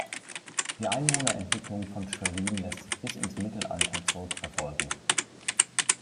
Die Einwohnerentwicklung von Schwerin lässt sich bis ins Mittelalter zurückverfolgen.